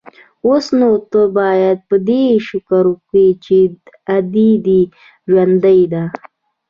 اوس نو ته بايد په دې شکر وکې چې ادې دې ژوندۍ ده.